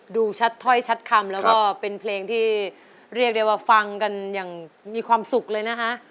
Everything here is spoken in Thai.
ดูชัดถ้อยชัดคำแล้วก็เป็นเพลงที่เรียกได้ว่าฟังกันอย่างมีความสุขเลยนะคะ